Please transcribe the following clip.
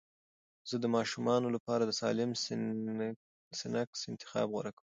زه د ماشومانو لپاره د سالم سنکس انتخاب غوره کوم.